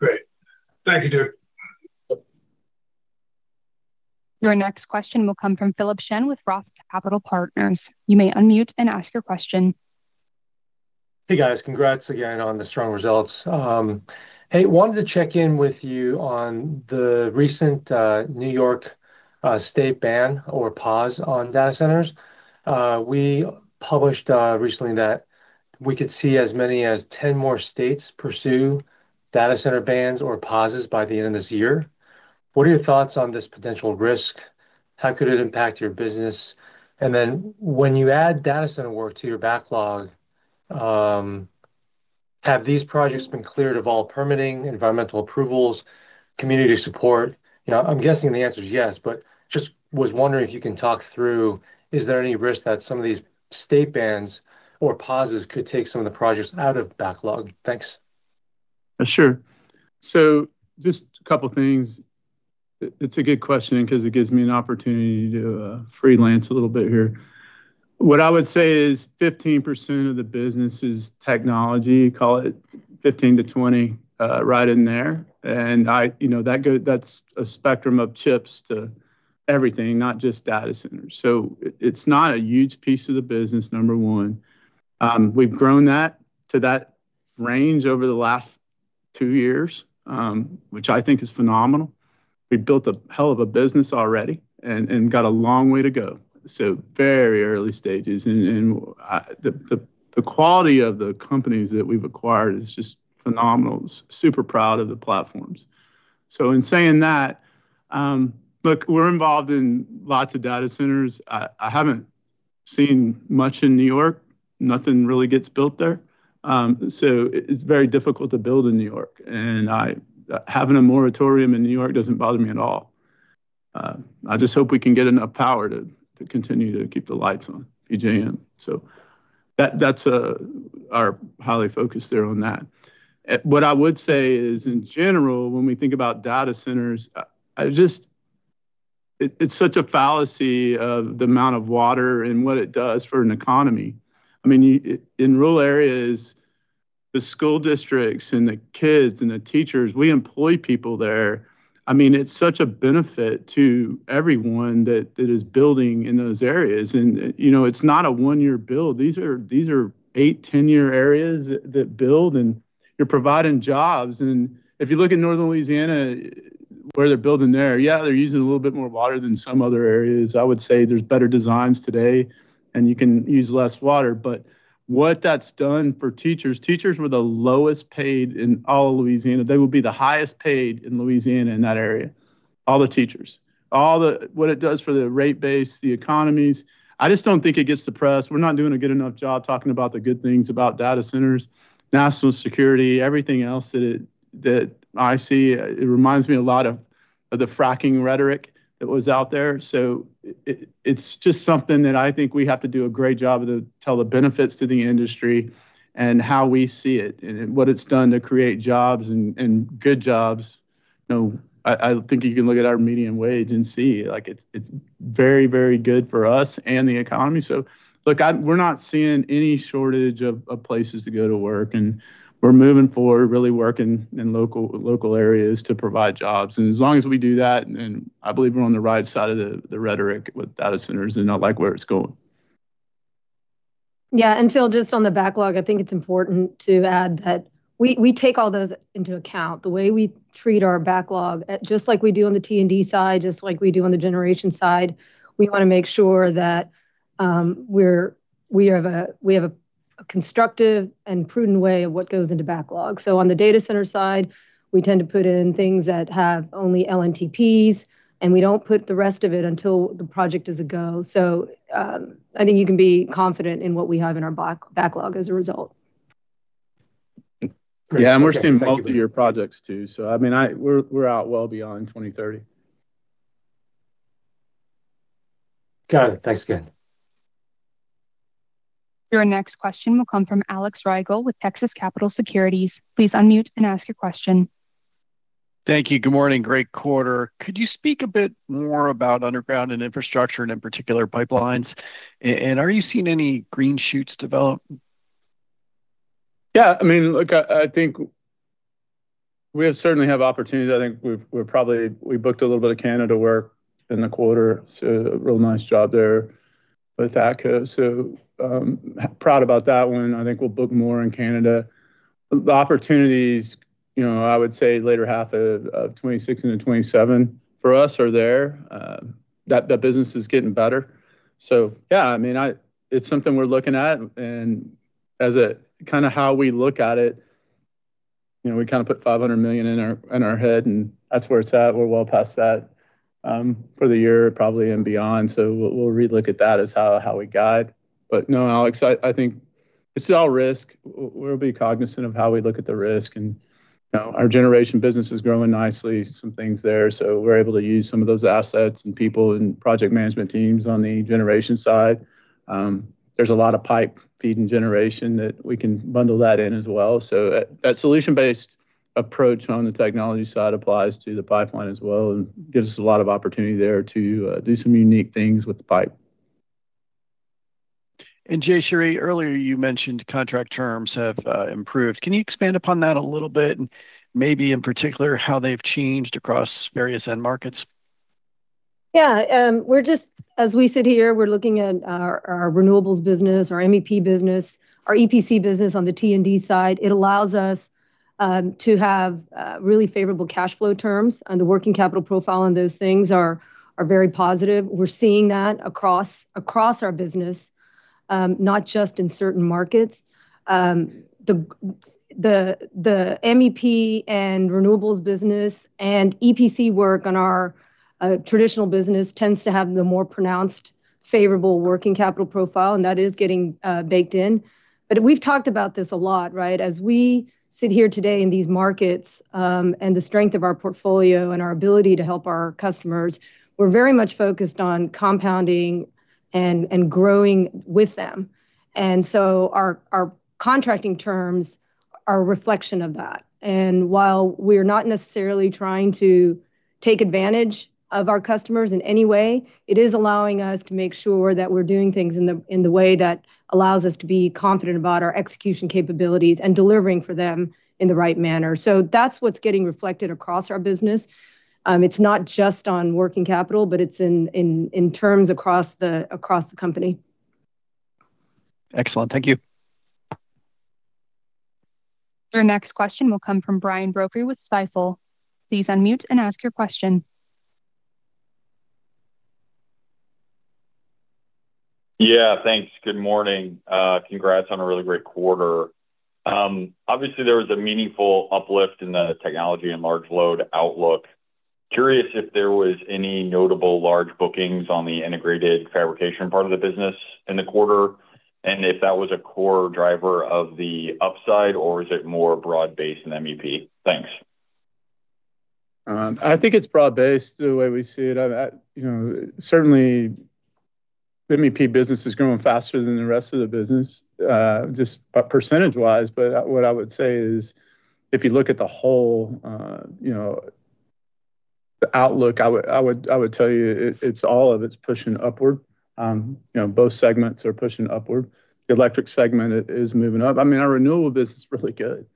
Great. Thank you, Duke. Your next question will come from Philip Shen with Roth Capital Partners. You may unmute and ask your question. Hey, guys. Congrats again on the strong results. Hey, wanted to check in with you on the recent New York State ban or pause on data centers. We published recently that we could see as many as 10 more states pursue data center bans or pauses by the end of this year. What are your thoughts on this potential risk? How could it impact your business? When you add data center work to your backlog, have these projects been cleared of all permitting, environmental approvals, community support? I'm guessing the answer is yes, but just was wondering if you can talk through, is there any risk that some of these state bans or pauses could take some of the projects out of backlog? Thanks. Sure. Just a couple things. It's a good question because it gives me an opportunity to freelance a little bit here. What I would say is 15% of the business is technology, call it 15%-20% right in there. That's a spectrum of chips to everything, not just data centers. It's not a huge piece of the business, number one. We've grown that to that range over the last two years, which I think is phenomenal. We've built a hell of a business already and got a long way to go, so very early stages. The quality of the companies that we've acquired is just phenomenal. Super proud of the platforms. In saying that, look, we're involved in lots of data centers. I haven't seen much in New York. Nothing really gets built there. It's very difficult to build in N.Y., and having a moratorium in N.Y. doesn't bother me at all. I just hope we can get enough power to continue to keep the lights on PJM. That's our highly focus there on that. I would say is, in general, when we think about data centers, it's such a fallacy of the amount of water and what it does for an economy. In rural areas, the school districts and the kids and the teachers, we employ people there. It's such a benefit to everyone that is building in those areas. It's not a one-year build. These are eight, 10-year areas that build, and you're providing jobs. If you look at Northern Louisiana, where they're building there, yeah, they're using a little bit more water than some other areas. I would say there's better designs today, you can use less water. What that's done for teachers were the lowest paid in all of Louisiana. They will be the highest paid in Louisiana in that area, all the teachers. What it does for the rate base, the economies, I just don't think it gets the press. We're not doing a good enough job talking about the good things about data centers, national security, everything else that I see. It reminds me a lot of the fracking rhetoric that was out there. It's just something that I think we have to do a great job to tell the benefits to the industry and how we see it and what it's done to create jobs and good jobs. I think you can look at our median wage and see, it's very good for us and the economy. Look, we're not seeing any shortage of places to go to work, we're moving forward really working in local areas to provide jobs. As long as we do that, I believe we're on the right side of the rhetoric with data centers and not like where it's going. Yeah. Phil, just on the backlog, I think it's important to add that we take all those into account. The way we treat our backlog, just like we do on the T&D side, just like we do on the generation side, we want to make sure that we have a constructive and prudent way of what goes into backlog. On the data center side, we tend to put in things that have only LNTPs, we don't put the rest of it until the project is a go. I think you can be confident in what we have in our backlog as a result. Yeah. We're seeing multi-year projects too. We're out well beyond 2030. Got it. Thanks again. Your next question will come from Alex Rygiel with Texas Capital Securities. Please unmute and ask your question. Thank you. Good morning. Great quarter. Could you speak a bit more about underground and infrastructure, and in particular pipelines? Are you seeing any green shoots develop? Look, I think we certainly have opportunities. I think we booked a little bit of Canada work in the quarter, a real nice job there with ACA. Proud about that one. I think we'll book more in Canada. The opportunities, I would say later half of 2026 into 2027 for us are there. That business is getting better. Yeah, it's something we're looking at. As how we look at it, we put $500 million in our head, and that's where it's at. We're well past that for the year probably and beyond. We'll relook at that as how we guide. No, Alex, I think it's all risk. We'll be cognizant of how we look at the risk, and our generation business is growing nicely, some things there. We're able to use some of those assets and people and project management teams on the generation side. There's a lot of pipe feed and generation that we can bundle that in as well. That solution-based approach on the technology side applies to the pipeline as well and gives us a lot of opportunity there to do some unique things with the pipe. Jayshree, earlier you mentioned contract terms have improved. Can you expand upon that a little bit and maybe in particular, how they've changed across various end markets? As we sit here, we're looking at our renewables business, our MEP business, our EPC business on the T&D side. It allows us to have really favorable cash flow terms, and the working capital profile on those things are very positive. We're seeing that across our business, not just in certain markets. The MEP and renewables business and EPC work on our traditional business tends to have the more pronounced favorable working capital profile, and that is getting baked in. We've talked about this a lot, right? As we sit here today in these markets, and the strength of our portfolio and our ability to help our customers, we're very much focused on compounding and growing with them. Our contracting terms are a reflection of that. While we're not necessarily trying to take advantage of our customers in any way, it is allowing us to make sure that we're doing things in the way that allows us to be confident about our execution capabilities and delivering for them in the right manner. That's what's getting reflected across our business. It's not just on working capital, but it's in terms across the company. Excellent. Thank you. Your next question will come from Brian Brophy with Stifel. Please unmute and ask your question. Thanks. Good morning. Congrats on a really great quarter. Obviously, there was a meaningful uplift in the technology and large load outlook. Curious if there was any notable large bookings on the integrated fabrication part of the business in the quarter, and if that was a core driver of the upside, or is it more broad-based in MEP? Thanks. I think it's broad-based the way we see it. Certainly, the MEP business is growing faster than the rest of the business, just percentage-wise. What I would say is, if you look at the whole outlook, I would tell you it's all of it's pushing upward. Both segments are pushing upward. The electric segment is moving up. Our renewable business is really good.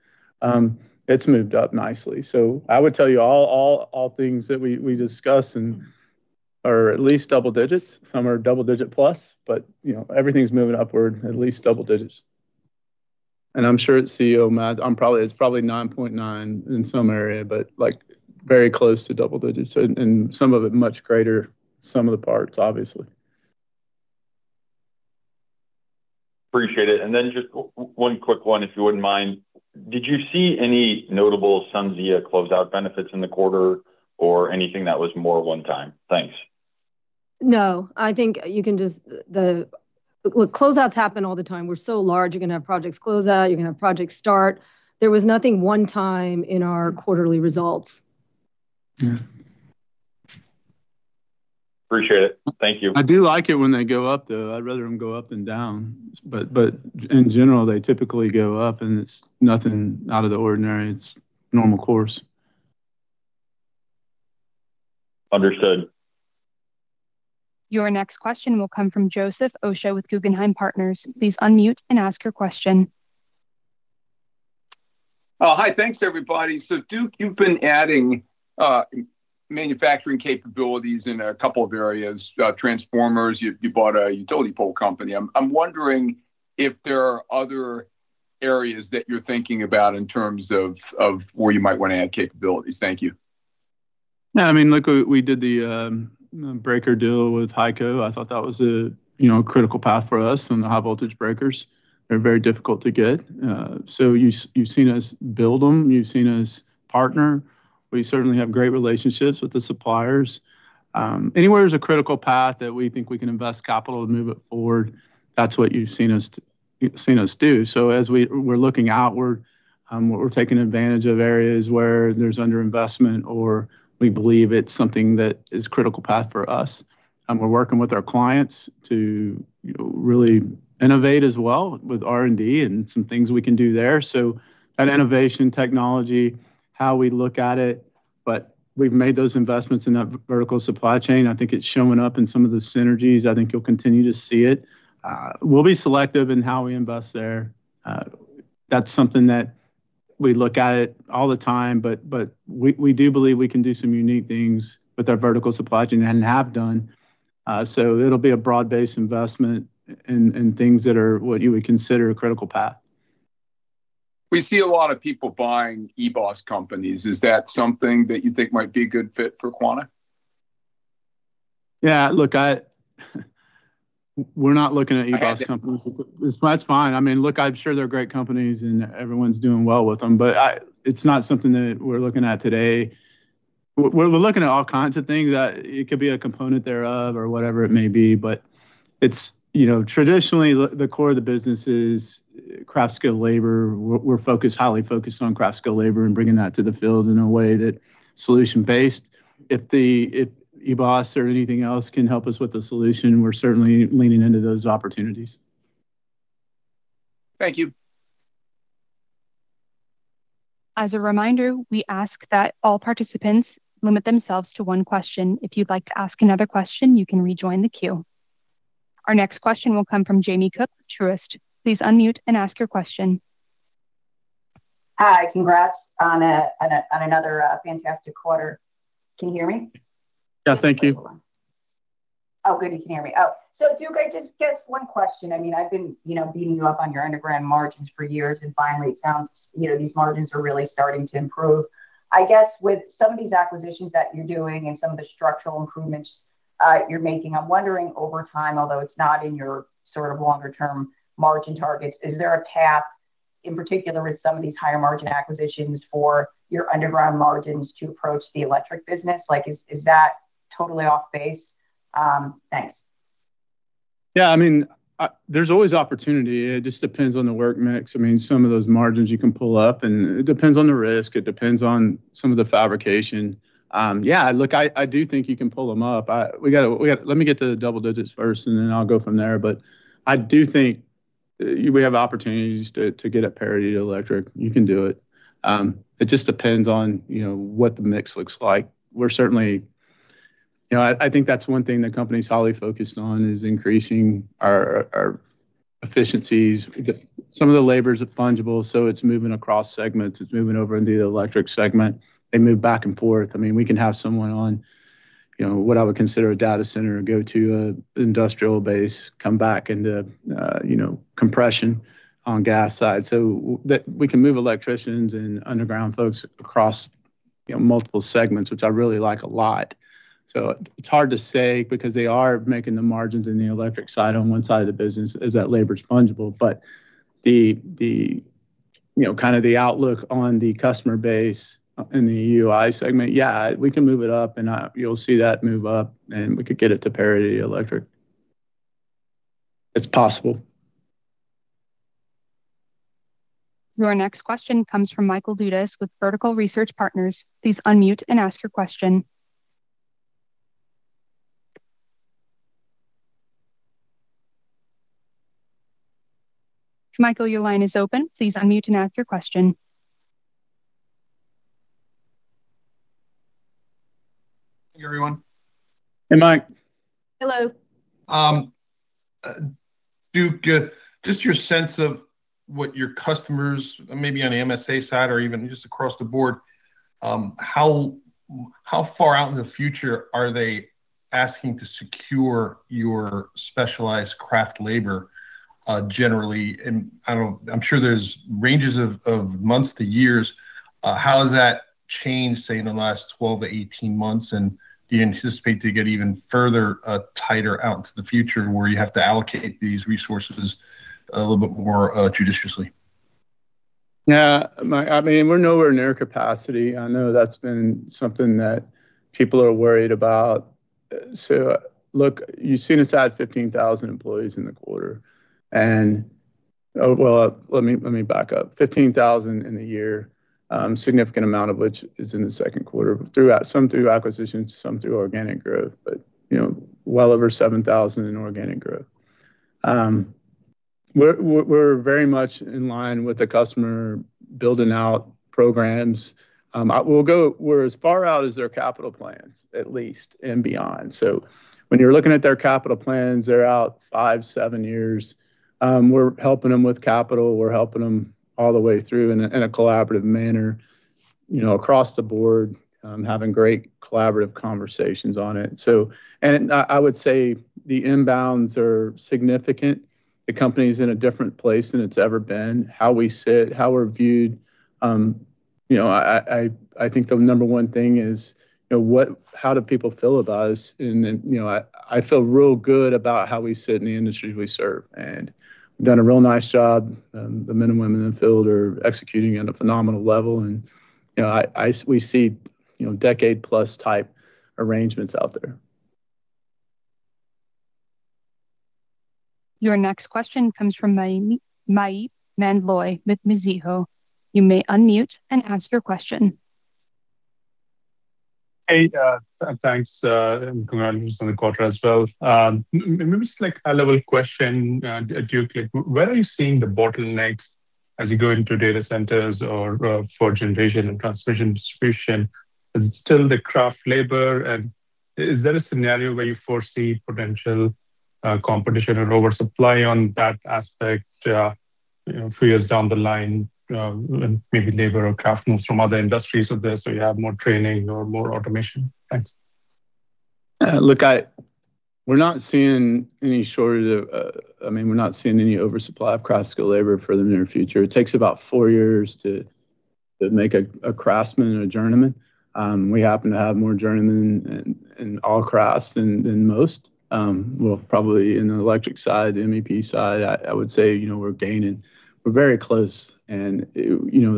It's moved up nicely. I would tell you, all things that we discuss are at least double digits. Some are double digit plus, but everything's moving upward at least double digits. And I'm sure at CEO math, it's probably 9.9 in some area, but very close to double digits. And some of it much greater, some of the parts, obviously. Appreciate it. Then just one quick one, if you wouldn't mind. Did you see any notable SunZia closeout benefits in the quarter or anything that was more one time? Thanks. No. Closeouts happen all the time. We're so large, you're going to have projects close out, you're going to have projects start. There was nothing one time in our quarterly results. Yeah. Appreciate it. Thank you. I do like it when they go up, though. I'd rather them go up than down. In general, they typically go up, and it's nothing out of the ordinary. It's normal course. Understood. Your next question will come from Joseph Osha with Guggenheim Partners. Please unmute and ask your question. Hi. Thanks, everybody. Duke, you've been adding manufacturing capabilities in a couple of areas. Transformers, you bought a utility pole company. I'm wondering if there are other areas that you're thinking about in terms of where you might want to add capabilities. Thank you. Yeah. Look, we did the breaker deal with HICO. I thought that was a critical path for us, the high voltage breakers are very difficult to get. You've seen us build them, you've seen us partner. We certainly have great relationships with the suppliers. Anywhere there's a critical path that we think we can invest capital to move it forward, that's what you've seen us do. As we're looking outward, we're taking advantage of areas where there's underinvestment, or we believe it's something that is critical path for us, and we're working with our clients to really innovate as well with R&D and some things we can do there. That innovation technology, how we look at it. We've made those investments in that vertical supply chain. I think it's showing up in some of the synergies. I think you'll continue to see it. We'll be selective in how we invest there. That's something that we look at all the time, we do believe we can do some unique things with our vertical supply chain and have done. It'll be a broad-based investment in things that are what you would consider a critical path. We see a lot of people buying eBOS companies. Is that something that you think might be a good fit for Quanta? Yeah, look, we're not looking at eBOS companies. I got you. That's fine. Look, I'm sure they're great companies, and everyone's doing well with them, but it's not something that we're looking at today. We're looking at all kinds of things. It could be a component thereof or whatever it may be, but traditionally, the core of the business is craft-skilled labor. We're highly focused on craft-skilled labor and bringing that to the field in a way that solution based. If eBOS or anything else can help us with the solution, we're certainly leaning into those opportunities. Thank you. As a reminder, we ask that all participants limit themselves to one question. If you'd like to ask another question, you can rejoin the queue. Our next question will come from Jamie Cook with Truist. Please unmute and ask your question. Hi. Congrats on another fantastic quarter. Can you hear me? Thank you. Good. You can hear me. Duke, I just guess one question. I've been beating you up on your underground margins for years, and finally, it sounds these margins are really starting to improve. I guess with some of these acquisitions that you're doing and some of the structural improvements you're making, I'm wondering, over time, although it's not in your sort of longer term margin targets, is there a path, in particular with some of these higher margin acquisitions, for your underground margins to approach the electric business? Is that totally off base? Thanks. There's always opportunity. It just depends on the work mix. Some of those margins you can pull up, and it depends on the risk. It depends on some of the fabrication. Look, I do think you can pull them up. Let me get to the double digits first, and then I'll go from there. I do think we have opportunities to get at parity to electric. You can do it. It just depends on what the mix looks like. I think that's one thing the company's highly focused on, is increasing our efficiencies. Some of the labor is fungible, so it's moving across segments. It's moving over into the electric segment. They move back and forth. We can have someone on what I would consider a data center, or go to an industrial base, come back into compression on gas side. We can move electricians and underground folks across multiple segments, which I really like a lot. It's hard to say because they are making the margins in the electric side on one side of the business as that labor's fungible. The Kind of the outlook on the customer base in the UI segment. We can move it up, and you'll see that move up, and we could get it to parity electric. It's possible. Your next question comes from Michael Dudas with Vertical Research Partners. Please unmute and ask your question. Michael, your line is open. Please unmute and ask your question. Hey, everyone. Hey, Mike. Hello. Duke, just your sense of what your customers, maybe on the MSA side or even just across the board, how far out in the future are they asking to secure your specialized craft labor, generally? I'm sure there's ranges of months to years. How has that changed, say, in the last 12-18 months? Do you anticipate it to get even further tighter out into the future where you have to allocate these resources a little bit more judiciously? Yeah, Mike, we're nowhere near capacity. I know that's been something that people are worried about. Look, you've seen us add 15,000 employees in the quarter. Well, let me back up. 15,000 in the year, significant amount of which is in the second quarter, some through acquisitions, some through organic growth. Well over 7,000 in organic growth. We're very much in line with the customer building out programs. We're as far out as their capital plans, at least, and beyond. When you're looking at their capital plans, they're out five, seven years. We're helping them with capital. We're helping them all the way through in a collaborative manner, across the board, having great collaborative conversations on it. I would say the inbounds are significant. The company's in a different place than it's ever been. How we sit, how we're viewed, I think the number one thing is how do people feel about us? I feel real good about how we sit in the industries we serve, and we've done a real nice job. The men and women in the field are executing at a phenomenal level, and we see decade-plus type arrangements out there. Your next question comes from Maheep Mandloi with Mizuho. You may unmute and ask your question. Hey, thanks. Congratulations on the quarter as well. Maybe just like a high-level question, Duke. Where are you seeing the bottlenecks as you go into data centers or for generation and transmission distribution? Is it still the craft labor? Is there a scenario where you foresee potential competition and oversupply on that aspect a few years down the line? Maybe labor or craft moves from other industries with this, or you have more training or more automation. Thanks. We're not seeing any oversupply of craft skill labor for the near future. It takes about four years to make a craftsman and a journeyman. We happen to have more journeymen in all crafts than most. Well, probably in the electric side, MEP side, I would say, we're gaining. We're very close, and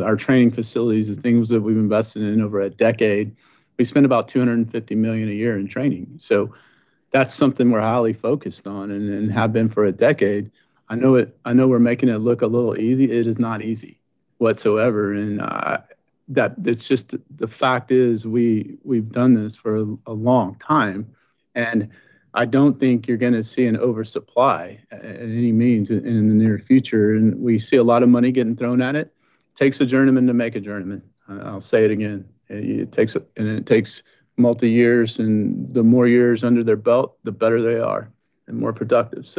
our training facilities, the things that we've invested in over a decade, we spend about $250 million a year in training. That's something we're highly focused on and have been for a decade. I know we're making it look a little easy. It is not easy whatsoever, and it's just the fact is we've done this for a long time, and I don't think you're going to see an oversupply by any means in the near future, and we see a lot of money getting thrown at it. Takes a journeyman to make a journeyman. I'll say it again. It takes multi years, and the more years under their belt, the better they are and more productive.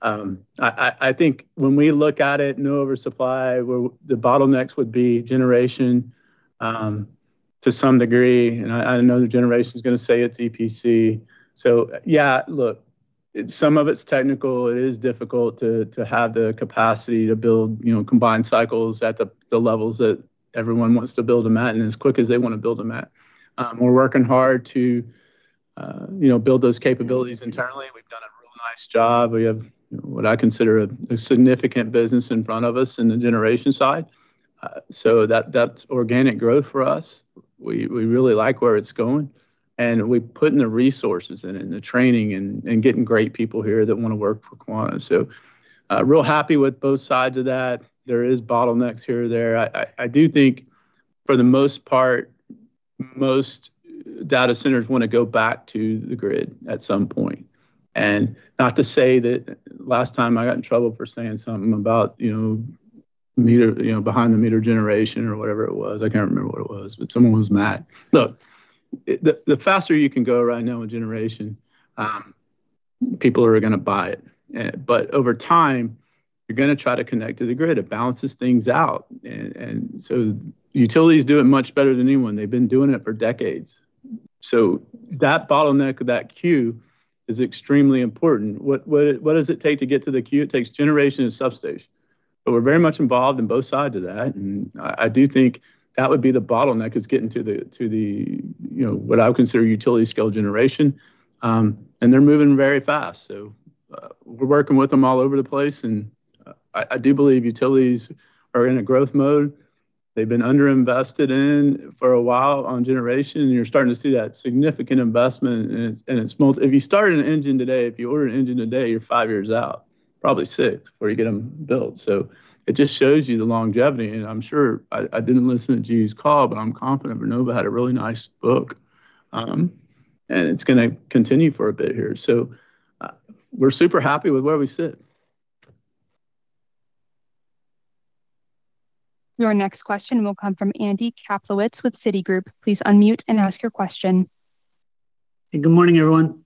I think when we look at it, no oversupply, where the bottlenecks would be generation, to some degree, and I know the generation's going to say it's EPC. Yeah, look, some of it's technical. It is difficult to have the capacity to build combined cycles at the levels that everyone wants to build them at and as quick as they want to build them at. We're working hard to build those capabilities internally. We've done a real nice job. We have what I consider a significant business in front of us in the generation side. That's organic growth for us. We really like where it's going, and we're putting the resources in it and the training and getting great people here that want to work for Quanta. Real happy with both sides of that. There is bottlenecks here or there. I do think, for the most part, most data centers want to go back to the grid at some point. Not to say that last time I got in trouble for saying something about behind the meter generation or whatever it was. I can't remember what it was, but someone was mad. Look, the faster you can go right now in generation, people are going to buy it. Over time, you're going to try to connect to the grid. It balances things out. Utilities do it much better than anyone. They've been doing it for decades. That bottleneck or that queue is extremely important. What does it take to get to the queue? It takes generation and substation. We're very much involved in both sides of that, and I do think that would be the bottleneck is getting to what I would consider utility scale generation. They're moving very fast, so we're working with them all over the place, and I do believe utilities are in a growth mode. They've been under-invested in for a while on generation. You're starting to see that significant investment, and if you start an engine today, if you order an engine today, you're five years out, probably six before you get them built. It just shows you the longevity, and I'm sure I didn't listen to GE's call, but I'm confident GE Vernova had a really nice book. It's going to continue for a bit here. We're super happy with where we sit. Your next question will come from Andy Kaplowitz with Citigroup. Please unmute and ask your question. Good morning, everyone.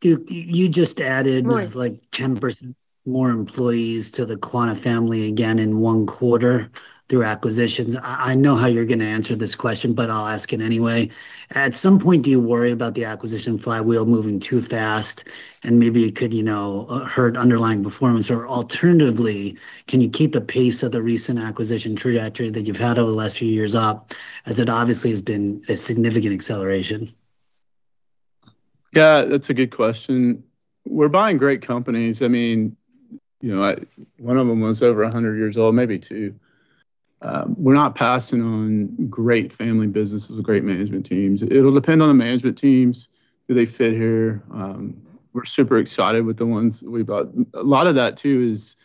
Duke, you just added. Good morning. like 10% more employees to the Quanta family again in one quarter through acquisitions. I know how you're going to answer this question, but I'll ask it anyway. At some point, do you worry about the acquisition flywheel moving too fast and maybe it could hurt underlying performance? Alternatively, can you keep the pace of the recent acquisition trajectory that you've had over the last few years up, as it obviously has been a significant acceleration? Yeah, that's a good question. We're buying great companies. One of them was over 100 years old, maybe two. We're not passing on great family businesses with great management teams. It'll depend on the management teams, do they fit here? We're super excited with the ones that we bought. A lot of that too is,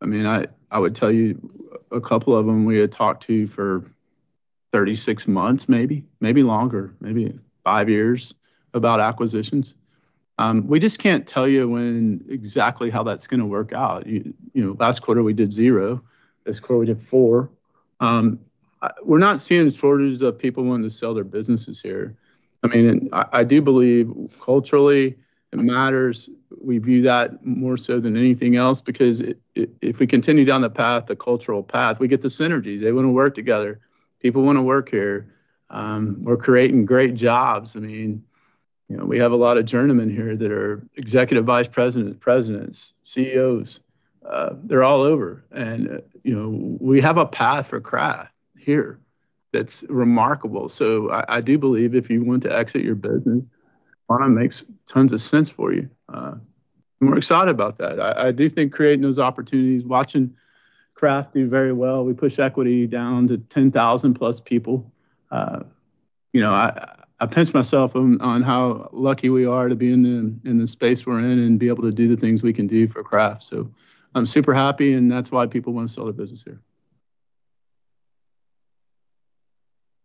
I would tell you a couple of them we had talked to for 36 months, maybe longer, maybe five years, about acquisitions. We just can't tell you exactly how that's going to work out. Last quarter, we did zero. This quarter, we did four. We're not seeing a shortage of people wanting to sell their businesses here. I do believe culturally it matters. We view that more so than anything else because if we continue down the path, the cultural path, we get the synergies. They want to work together. People want to work here. We're creating great jobs. We have a lot of journeymen here that are Executive Vice Presidents, CEOs. They're all over. We have a path for craft here that's remarkable. I do believe if you want to exit your business, Quanta makes tons of sense for you. We're excited about that. I do think creating those opportunities, watching craft do very well, we push equity down to 10,000-plus people. I pinch myself on how lucky we are to be in the space we're in and be able to do the things we can do for craft. I'm super happy, and that's why people want to sell their business here.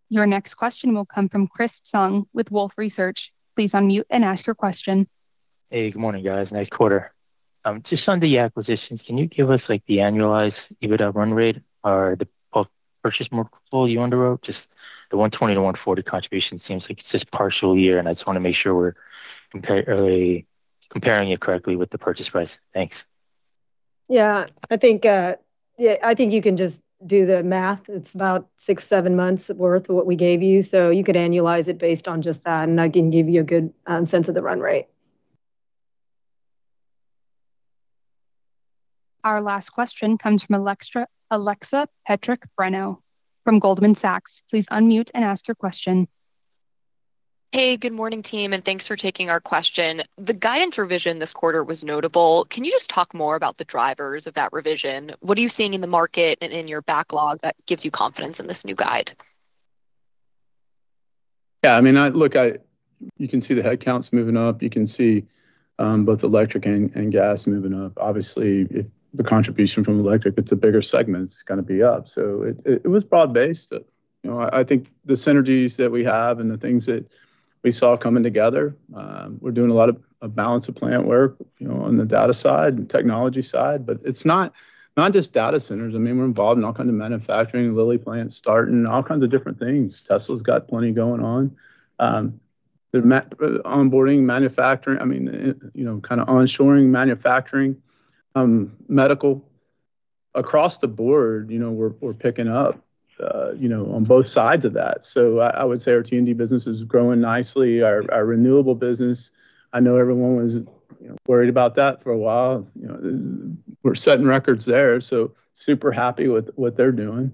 Your next question will come from Chris Snyder with Wolfe Research. Please unmute and ask your question. Hey, good morning, guys. Nice quarter. Just on the acquisitions, can you give us the annualized EBITDA run rate? Are both purchase multiples you underwrote just the $120-$140 contribution? Seems like it's just partial year, and I just want to make sure we're comparing it correctly with the purchase price. Thanks. Yeah, I think you can just do the math. It's about six, seven months worth of what we gave you. You could annualize it based on just that, and that can give you a good sense of the run rate. Our last question comes from Alex Petric-Breno from Goldman Sachs. Please unmute and ask your question. Hey, good morning, team, thanks for taking our question. The guidance revision this quarter was notable. Can you just talk more about the drivers of that revision? What are you seeing in the market and in your backlog that gives you confidence in this new guide? Yeah, look, you can see the headcounts moving up. You can see both electric and gas moving up. Obviously, if the contribution from electric, it's a bigger segment, it's going to be up. It was broad-based. I think the synergies that we have and the things that we saw coming together, we're doing a lot of balance of plant work on the data side and technology side, but it's not just data centers. We're involved in all kinds of manufacturing, battery plants, starting all kinds of different things. Tesla's got plenty going on. Onboarding, manufacturing, onshoring manufacturing, medical. Across the board, we're picking up on both sides of that. I would say our T&D business is growing nicely. Our renewable business, I know everyone was worried about that for a while. We're setting records there, super happy with what they're doing.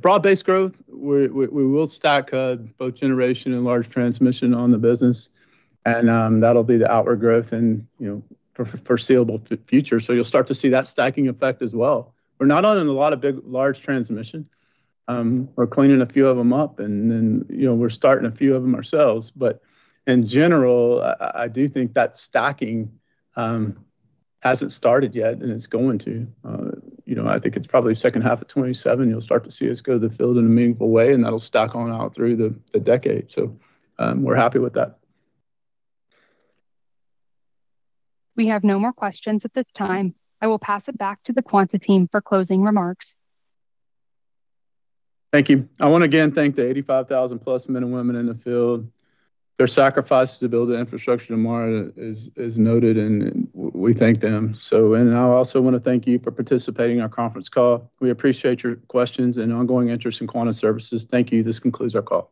Broad-based growth, we will stack both generation and large transmission on the business, and that'll be the outward growth in foreseeable future. You'll start to see that stacking effect as well. We're not on a lot of big, large transmission. We're cleaning a few of them up and then we're starting a few of them ourselves. In general, I do think that stacking hasn't started yet and it's going to. I think it's probably second half of 2027 you'll start to see us go to the field in a meaningful way, and that'll stack on out through the decade. We're happy with that. We have no more questions at this time. I will pass it back to the Quanta team for closing remarks. Thank you. I want to again thank the 85,000-plus men and women in the field. Their sacrifice to build the infrastructure tomorrow is noted, and we thank them. I also want to thank you for participating in our conference call. We appreciate your questions and ongoing interest in Quanta Services. Thank you. This concludes our call.